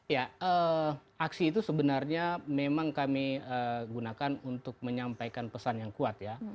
ya aksi itu sebenarnya memang kami gunakan untuk menyampaikan pesan yang kuat ya